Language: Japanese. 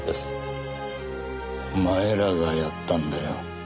お前らがやったんだよ。